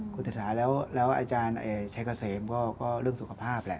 คุณเศรษฐาแล้วอาจารย์ชัยเกษมก็เรื่องสุขภาพแหละ